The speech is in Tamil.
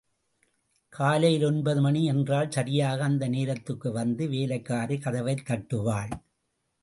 காலையில் ஒன்பது மணி என்றால் சரியாக அந்த நேரத்துக்கு வந்து வேலைக்காரி கதவைத் தட்டுவாள்.